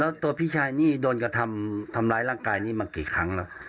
แล้วตัวพี่ชายนี่โดนกระทำทำร้ายร่างกายนี่มากี่ครั้งแล้ว